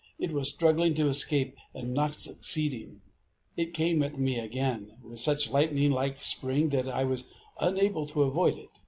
It was struggling to escape, and not succeeding, it came at me again with such a lightning like spring that I was unable to avoid it.